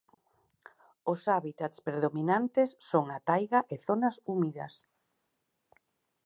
Os hábitats predominantes son a Taiga e zonas húmidas.